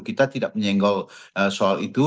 kita tidak menyenggol soal itu